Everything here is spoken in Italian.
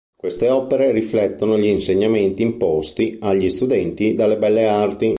Queste opere riflettono gli insegnamenti imposti agli studenti dalle Belle Arti.